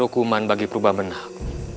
hukuman bagi purba menak